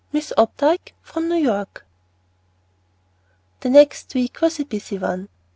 MISS OPDYKE FROM NEW YORK. THE next week was a busy one.